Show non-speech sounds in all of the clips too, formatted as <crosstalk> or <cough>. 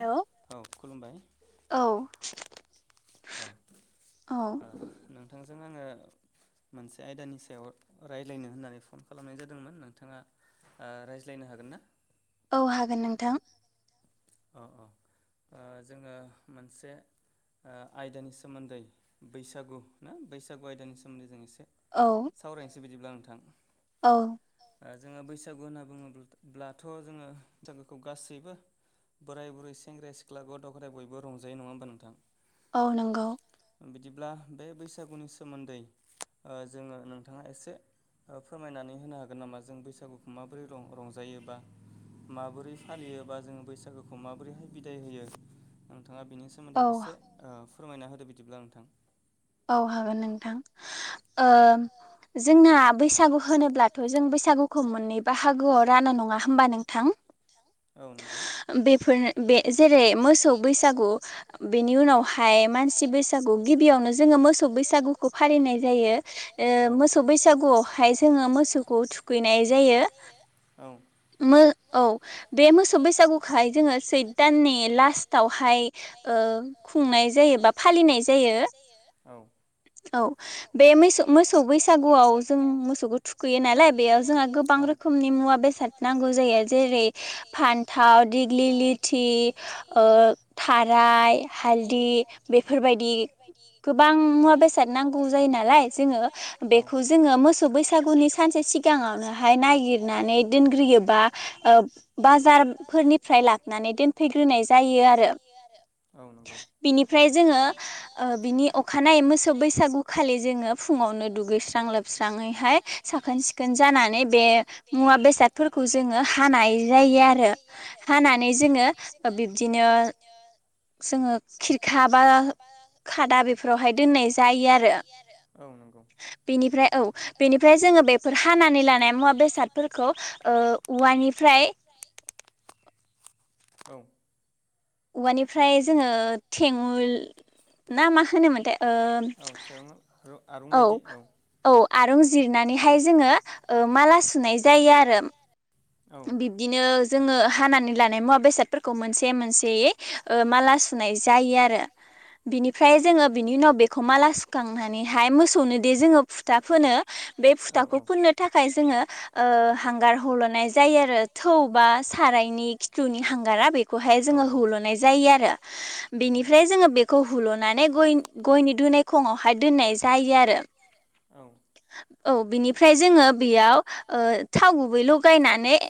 हेल औ। औ। नोंथांजों आंङो मोनसे आयदानि सायाव रायज्लायनो होननानै फन खालामनाय जादोंमोन नोंथांङा ओ रायज्लायनो हागोन ना? औ हागोन नोंथां। औ औ ओ जोंङो मोनसे ओ आयदानि सोमोन्दै बैसागु ना बैसागु आयदानि सोमोन्दै जों एसे औ। बिदिब्ला नोंथां। औ। जोंङो बैसागु होनना बुंङोब्लाथ' जोंङो बैसागुखौ गासैबो बोराय बुरै सेंग्रा-सिख्ला गथ'-गथाय बयबोंजायो नंङा होमबा नोंथां? औ नंगौ। बिदिब्ला बे बैसागुनि सोमोन्दै जोंङो नोंथांङा एसे फोरमायनानै होनो हागोन नामा जों बैसागुखौ माबोरै रं-रंजायोबा। माबोरै फालियोबा जोंङो बैसागुखौ खौ माबोरैहाय बिदाय होयो नोंथाङा बिनि सोमोन्दै एसे ओ फोरमायना होदो बिदिब्ला नोंथां। औ हागोन नोंथां ओ जोंना बैसागु होनोब्लाथ' जों बैसागुखौ मोननै बाहागोआव रानो नंङा होमबा नोंथां? औ नंगौ बेफोरनो बे जेरै मोसौ बैसागु बेनि उनावहाय मानसि बैसागु गिबियावनो जोङो मोसौ बैसागुखौ फालिनाय जायो ओ मोसौ बैसागुआवहाय जोङो मोसौखौ थुखैनाय जायो मो औ बे मोसौ बैसागुखौहाय जोङो सैथ दाननि लास्टावहाय खुंनाय जायो औ औ बे मोसौ मोसौ बैसागुआव जों मोसौखौ थुखैयो नालाय बेयाव जोंहा गोबां रोखोमनि मुवा बेसाद नांगौ जायो जेरै फान्थाव दिग्लिलिथि ओ थाराय हालदै बेफोरबायदि गोबां मुवा बेसाद नांगौ जायो नालाय जोङो बेखौ जोङो मोसौ बैसागुनि सानसे सिगाङावनोहाय नागिरनानै दोनग्रोयो बा ओ फोरनिफ्राय लानानै दोनफैग्रोनाय जायो आरो बिनिफ्राय जों जोङो ओ बिनि अखानायै मोसौ बैसागु खालि जोङो फुङावनो दुगैस्रां लोबस्रां हाय साखोन सिखोन जानानै बे मुवा बेसादफोरखौ जोङो हानाय जायो आरो हानानै जोङो बिब्दिनो जोङो खिरखा बा खादा बेफोरावहाय दोननाय जायो आरो बेनिफ्राय औ बेनिफ्राय जोङो बेफोर हानानै लानाय मुवा बेसादफोरखौ‌ ओ ओ औवानिफ्राय औ औवानिफ्राय जोङो थेओल ना मा होनोमोनथाय औ थेओल औ औ आरंजिरनानैहाय जोङो ओ माला सुनाय जायो आरो बिब्दिनो जोङो हानानै लानाय मुवा बेसादफोरखौ मोनसे मोनसेयै ओ माला सुनाय जायो आरो बिनिफ्राय जोङो बिनि उनाव बेखौ माला सुखांनानैहाय मोसौनो दे जोङो फुथा फोनो बे फुथाखौ फोननो थाखाय जोङो ओ हांगार हल'नाय जायो आरो थौ बा सारायनि खिथुनि हांगारा बे खौहाय जोङो हुल'नाय जायो आरो बेनिफ्राय जोङो बेखौ हुल'नानै गय गयनि दुनाय खङावहाय दोननाय जायो आरो औ औ बिनिफ्राय जोङो बेयाव ओ थाव गुबै लगायनानै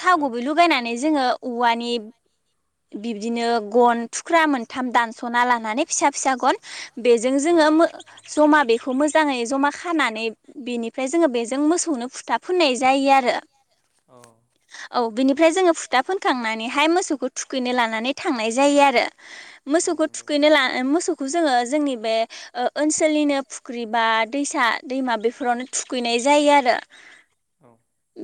थाव गुबै लगायनानै जोङो औवानि बिब्दिनो गन थुख्रा मोनथाम दानस'ना लानानै फिसा फिसा गन बेजों जोङो जमा बेखौ मोजाङै जमा खानानै बेनिफ्राय जोङो बेजों मोसौनो फुथा फोननाय जायो आरो अ औ बिनिफ्राय जोङो फुथा फोनखांनानैहाय मोसौखौ थुखैनो लानानै थांनाय जायो आरो मोसौखौ थुखैनो लां मोसौखौ जोङो जोंनि बे ओ ओनसोलनिनो फुख्रि बा दैसा दैमा बेफोरावनो थुखैनाय जायो आरो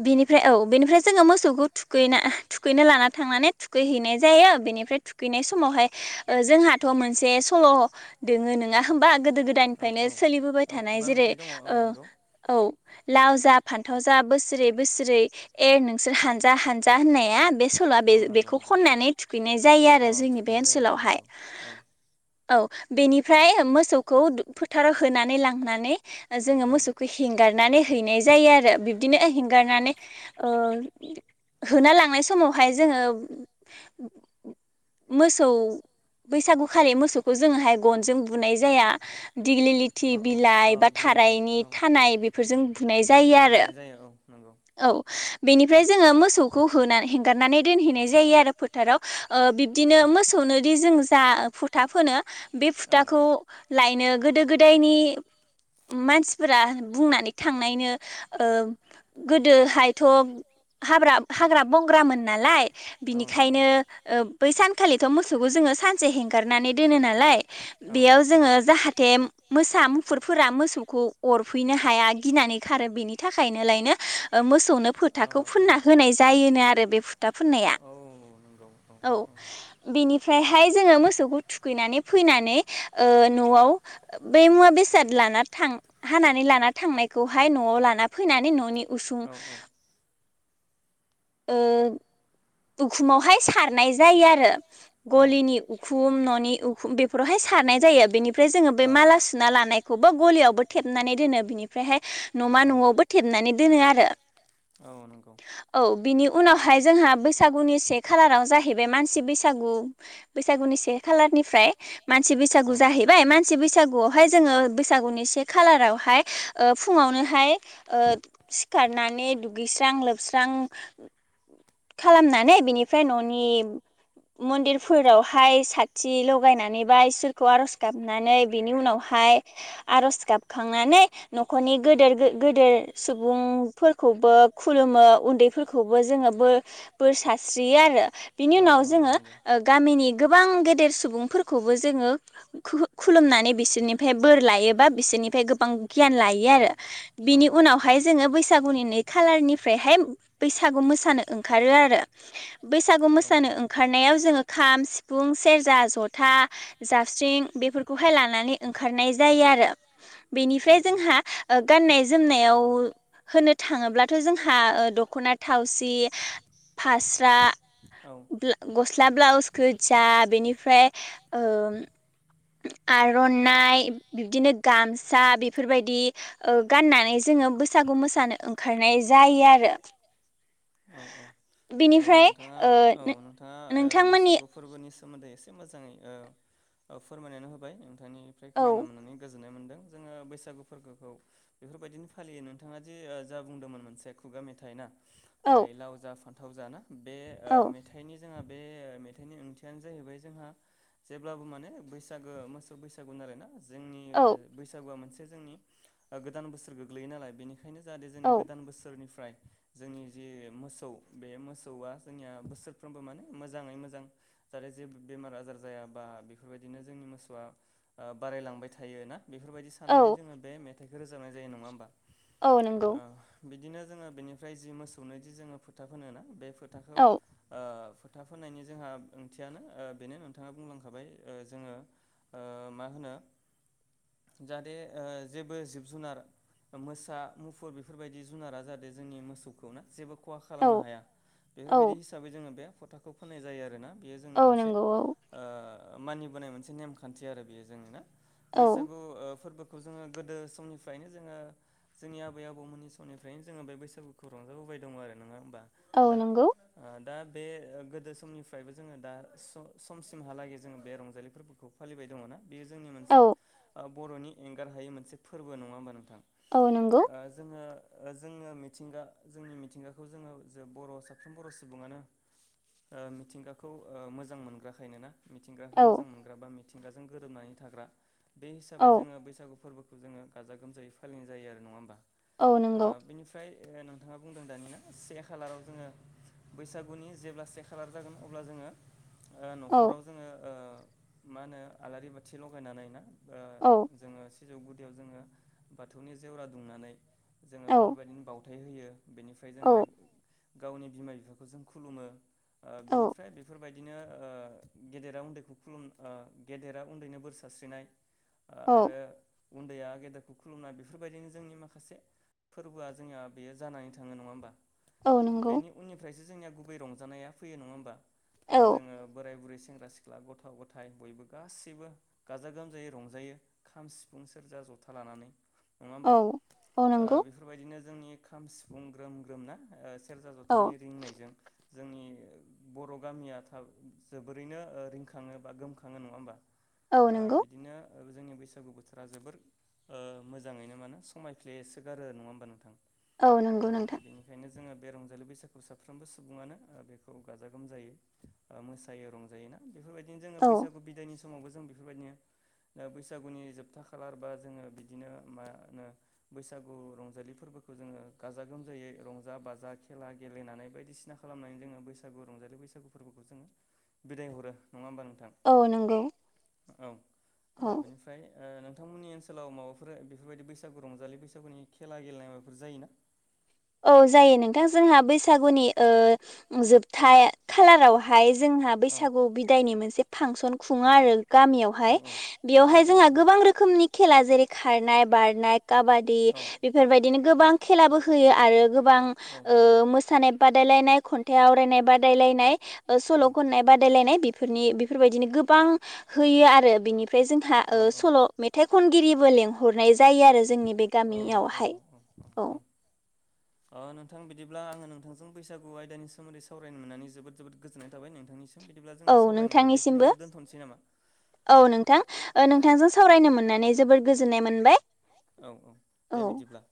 बेनिफ्राय औ बेनिफ्राय जोङो मोसौखौ थुखैना थुखैनो लाना थांनानै थुखैहैनाय जायो बेनिफ्राय थुखैनाय समावहाय ओ जोंहाथ' मोनसे सल' दोङो नङा होमबा गोदो गोदायनिफ्रायनो सोलिनाय थानाय जेरै ओ औ लाव जा फान्थाव जा बोसोरै बोसोरै एर नोंसोर हानजा हानजा होननाया बे सल'आ बे बेखौ खनानै थुखैनाय जायो आरो जोंनि बे ओनसोलावहाय औ बेनिफ्राय मोसौखौ फोथाराव होनानै लांनानै ओ जोङो मोसौखौ हेंगारनानै हैनाय जायो आरो बिब्दिनो हेंगारनानै ओ होना लांनाय समावहाय जोङो मोसौ बैसागु खालि मोसौखौ जोंहाय गनजों बुनाय जाया दिग्लि लथि बिलाइ बा थारायनि थानाय बेफोरजों बुनाय जायो आरो औ बेनिफ्राय जोङो मोसौखौ होनानै हेंगारनानै दोनहैनाय जायो आरो फोथाराव ओ बिब्दिनो मोसौनो दि जों जा फुथा फोनो बे फुथाखौ लायनो गोदो गोदायनि <inaudible> मानसिफोरा बुंनानै थांनायनो ओ गोदोहाय थ' हाग्रा हाग्रा बंग्रामोन नालाय बिनिखायनो ओ बै सान खालिथ' मोसौखौ जोङो सानसे हेंगारनानै दोनो नाल लाय बेयाव जोङो जाहाथे मोसा मुफुर फोर मोसौखौ अरफैनो हाया गिनानै खारो बेनि थाखायनोलायनो मोसौ फोथाखौ फुनना होनाय जायोनो आरो बे फोथा फुननाया औ बिनिफ्रायहाय जोङो मोसौखौ थुखैनानै फैनानै ओ न'आव बे मुवा बेसाद लाना थां हानानै लाना थांनाय खौहाय न'आव लाना फैनानै न'नि उसुं ओ बुखुमावहाय सारनाय जायो आरो गलिनि उखुम न'नि उखुम बेफोरावहाय सारनाय जायो बेनि ओमफ्राय जोङो बे माला सुना लानायखौबो गलियावबो थेबनानै दोनो बिनिफ्रायहाय न'मा न'आवबोोथेबनानै दोनो आरो औ नंगौ बिनि उनावहाय जोंहा बैसाग बैसागुनि से खालाराव जाहैबाय मानसि बसागु बैसागुनि से खालारनिफ्राय मानसि बैसागु जाहैबाय मानसि बैसागुआवहाय जोङो बैसागुनि से खालारावहाय ओ फुङावनोहाय खारनानै दुगैस्रां लोबस्रां खालामनानै बिनिफ्राय न'नि मन्दिरफोराव हाय साथि लगायनानै बा इसोरखौ आर'ज गाबनानै बिनि उनावहाय आरज गाबखांनानै न'खरनि गोद गोदेर सुबुंफोरखौबो खुलुमो उन्दैफोरखौबो जोङो बो बोर सास्रियो आरो बिनि उनाव जोङो ओ गामिनि गोबां गेदेर सुबुंफोरखौबो जोङो खुलुमनानै बिसोरनिफ्राय बोर लायोबा बिसोरनि निफ्राय गोबां गियान लायो आरो बिनि उनावहाय जोङो बैसागुनि नै खालारनिफ्रायहाय बैसागु मोसानो ओंखारो आरो बैसागु मोसानो ओंखारनायाव जोङो खाम सि फुं सेरजा जथा जाबस्रिं बेफोरखौहाय लानानै ओंखारनाय जायो आरो बेनिफ्राय जोंहा गाननाय जोमनायाव होनो थाङोब्लाथ' जोंहा ओ दख'ना थावसि फास्रा गस्ला ब्लाउसखौ जा बेनिफ्राय ओ आर'नाइ बिब्दिनो गामसा बेफोरबायदि ओ गाननानै जोङो बैसागु मोसानो ओंखारनाय जायो आरो औ औ औ नोंथाङा औ नोंथाङा बैसागु फोरबोनि सोमोन्दै एसे मोजाङै फोरमायनानै होबाय नोंथांनिफ्राय खोनानो मोननानै गोजोननाय मोनदों जोङो बैसागु फोरबोखौ बेफोरबायदिनो फालियो नोंथाङा जे जा बुंदोंमोन मोनसे खुगा मेथाइ ना लाव जा फान्थाव जाना बे ओ मेथनि जोंहा बे मेथाइनि ओंथियानो जाहैबाय जोंहा जेब्लाबो माने बैसागो मोसौ बैसागु आरो ना जोंनि बैसागुआ मोनसे जोंनि ओ गोदान बोसोर गोग्लैयो नालाय बेनि बेखायनो जाहाथे जोंनि गोदान बोसोरनिफ्राय जोंनि जि मोसौ बे मोसौआ जोंनिया बोसोरफ्रोमबो माने मोजाङै मोजां जाहाथे जेबो बेमारा आजार जायाबा बेफोरबायदिनो जोंनि मोसौआ बारायलांबाय थायोना बेफोरबायदि साननानै जोङो बे मेथाइखौ रोजाबनाय जायो नङा होमबा। ओ बिदिनो जोङो बेनिफ्राय जि मोसौनो जि जोङो फोथा फोनो ना बे फोथाखौ ओ फोथा फोननायनि जोंहा ओंथियानो ओ बेनो नोंथाङा बुंलांखाबाय ओ जोङो ओ मा होनो जाहाथे जेबो जिब जुनार मोसा मुफुर बेफोरबायदि जुनारा जादों जोंनि मोसौखौ ना जेबो खहा खालामनो हाया। बेफोरबायदि हिसाबै जोङो बे फथाखौ फोननाय जायो आरोना। बेयो जोंनि मोनसे ओ मानिबोनाय मोनसे नेमखान्थि आरो बेयो जोंनि ना। बैसागु ओ फोरबोखौ जोङो गोदो समनिफ्रायनो जोङो जोंनि आबै आबौमोननि समनिफ्रायनो जोङो बे बैसागुखौ रंजाबोबाय दङ आरो नङा होमबा? औ नंगौ। दा बे ओ गोदो समनिफ्रायबो जोङो दा समसिमहालागै जोङो बे रंजालि फोरबोखौ फालिबाय दङ ना। बेयो जोंनि मोनसे ओ बर'नि एंगार हायै मोनसे फोरबो नङा होनोमबा नों ओ जोङो जोङो मिथिंगा जोंनि मिथिंगाखौ जोङो जे बर' साफ्रोम बर' सुबुङानो ओ मिथिंगाखौ ओ मोजां मोनग्राखायनो ना मिथिंगाखौ मोजां मोनग्रा बा मिथिंगाजों गोरोबनानै थाग्रा बे हिसाबै जोङो बैसागु फोरबोखौ जोङो गाजा गोमजायै फालिनाय जायो आरो नङा होमबा। ओ बेनिफ्राय दे नोंथाङा बुंदों दानिया से खालाराव जोङो बैसागुनि जेब्ला से खालार जागोन अब्ला जोङो ओ न'खराव जोङो ओ मा होनो आलारि बाथि लगायनानै ना। ओ जोङो सिजौ गुदियाव जोङो बाथौनि जेवरा दुंनानै जोङो बेफोरबायदिनो बावथाय होयो बेनिफ्राय जोङो गावनि बिमा बिफाखौ जों खुलुमो ओ बेनिफ्राय बेफोरबायदि दिनो गेदेरा उन्दैखौ खुलुम गेदेरा उन्दैनो बोर सारस्रिनाय ओ आरो उन्दैया गेदेरखौ खुलुमनाय बेफोरबायदिनो जोंनि माखासे फोरबोआ जोंनिया बेयो जानानै थाङो नङा होमबा? बेनि उननिफ्रायसो जोंनिया गुबै रंजानाया फैयो नङा होमबा? ओ जोङो बोराय बुरै सेंग्रा सिख्ला गथ' गथाय बयबो गासैबो गाजा गोमजायै रंजायो खाम सि फुं सेरजा ज' जथा लानानै नङा होमबा। ओ बेफोरबायदिनो जोंनि खाम सिफुं ग्रोम ग्रोम ना सेरजा जथानि रिंनायजों जोंनि बर' गामिया थाब जोबोरैनो ओ रिंखाङो बा गोमखाङो नङा होमबा ओ बिदिनो जोंनि बैसागु बोथोर जोबोर ओ मोजाङैनो मानो समायफ्लेसो गारो नङा होमबा नोंथां। औ नंगौ नोंथां। जोङो बे रंजालि बैसागु साफ्रोमबो सुबुङानो बेखौ गाजा गोमजायै मोसायो रंजायोना। बेफोरबायदिनो जोङो बैसागु बिदायनि समावबो जों बेफोरबायदिनो दा बैसागुनि जोब था खालार बा जोङो बिदिनो मा होनो बैसागु रंजालि फोरबोखो जोङो गाजा गोमजा यै रंजा बाजा खेला गेलेनानै बायदिसिना खालामनानै जोङो बैसागु रंजालि बैसागु फोरबोखौ जोङो बिदाय हरो औ नंगौ औ, बेनिफ्राय ओ नोंथांमोननि ओनसोलाव माबाफोर बेफोरबायदि बैसागु रंजालि बैसागुनि खेला गेलेनाय माबाफोर जायोना? औ जायो नोंथां जोंहा बैसागुनि ओ जोबथा खालारावहाय जोंहा बैसागु बिदायनि मोनसे फांसन खुङो आरो गामियावहाय बेवहाय जोंहा गोबां रोखोमनि खेला जेरै खारनाय बारनाय काबादि बेफोरबायदिनो गोबां खेलाबो होयो आरो गोबां ओ मोस थानाय बादायलानाय खन्थाइ आवरायनाय बादायलायनाय ओ सल' खननाय बादायलायनाय बेब फोरनि बेफोरबायदिनो गोबां होयो आरो बेनि फ्राय जोंहा ओ सल' मेथाइ खनगिरिबो लेंहरनाय ज जायो आरो जोंनि बे गामियावहाय औ <unintelligible> अ नोंथां बिदिब्ला आङो नोंथांजों बैसागु आयदानि सोमोन्दै सारायनोमोननानै जोबोद जोबोद गोजोननाय थाबाय नोंथांनि सि औ नोंथांनिसिमबो औ नोंथां ओ नोंथांजों सावरायनो मोननानै जोबोर गोजोननाय मोनबाय औ औ दे बिदिब्ला